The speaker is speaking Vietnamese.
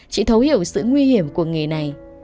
chỉ thấu hiểu sự nguy hiểm của nghề này